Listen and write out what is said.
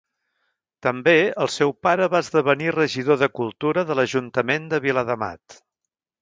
També, el seu pare va esdevenir regidor de Cultura de l'ajuntament de Viladamat.